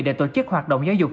để tổ chức hoạt động giáo dục